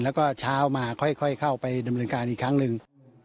แล้วก็เช้ามาค่อยเข้าไปดำเนินการอีกครั้งหนึ่ง